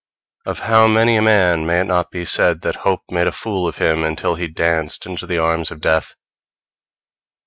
Of how many a man may it not be said that hope made a fool of him until he danced into the arms of death!